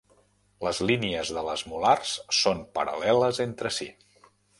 Les línies de les molars són paral·leles entre si.